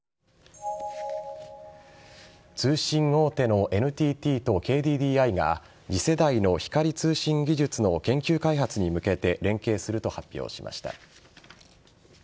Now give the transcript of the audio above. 通信大手のＮＴＴとＫＤＤＩが次世代の光通信技術の研究開発に向けて連携すると発表しました。